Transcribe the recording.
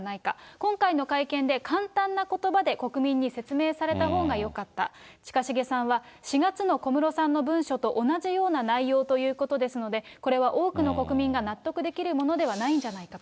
今回の会見で、簡単なことばで国民に説明されたほうがよかった、近重さんは、４月の小室さんの文書と同じような内容ということですので、これは多くの国民が納得できるものではないんじゃないかと。